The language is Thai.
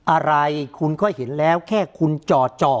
อะไรคุณก็เห็นแล้วแค่คุณจอด